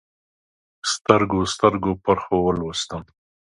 سترګو، سترګو پرخو ولوستم